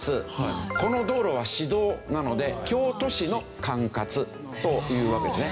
この道路は市道なので京都市の管轄というわけですね。